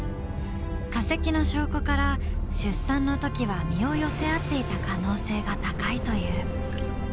化石の証拠から出産の時は身を寄せ合っていた可能性が高いという。